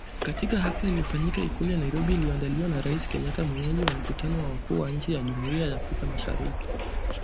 Katika hafla iliyofanyika Ikulu ya Nairobi iliyoandaliwa na Rais Kenyatta mwenyeji wa mkutano wa wakuu wa nchi za Jumuiya ya Afrika Mashiriki.